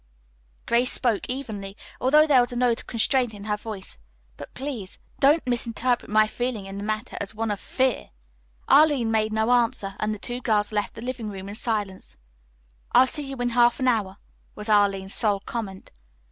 Grace spoke evenly, although there was a note of constraint in her voice. "But, please, don't misinterpret my feeling in the matter as one of fear." Arline made no answer, and the two girls left the living room in silence. "I'll see you in half an hour," was Arline's sole comment.